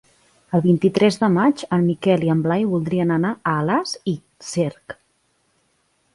El vint-i-tres de maig en Miquel i en Blai voldrien anar a Alàs i Cerc.